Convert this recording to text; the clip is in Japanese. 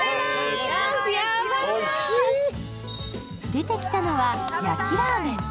出てきたのは焼きラーメン。